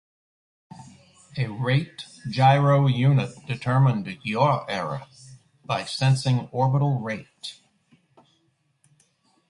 A rate gyro unit determined yaw error by sensing orbital rate.